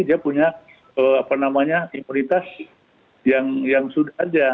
dia punya imunitas yang sudah ada